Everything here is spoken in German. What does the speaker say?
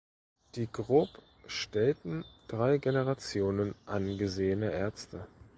Die Grob stellten drei Generationen angesehener Ärzte.